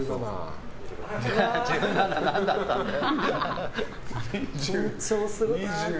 １７なんだったんだよ。